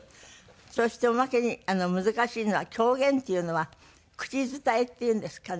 そしておまけに難しいのは狂言っていうのは口伝えっていうんですかね。